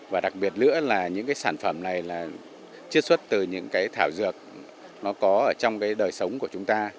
và đặc biệt nữa là những cái sản phẩm này là chiết xuất từ những cái thảo dược nó có ở trong cái đời sống của chúng ta